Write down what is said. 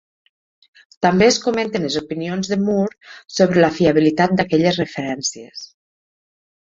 També es comenten les opinions de Moore sobre la fiabilitat d'aquelles referències.